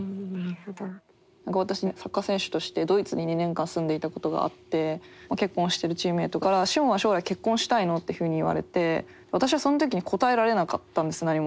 私サッカー選手としてドイツに２年間住んでいたことがあって結婚をしてるチームメートから志帆は将来結婚したいの？っていうふうに言われて私はその時に答えられなかったんです何も。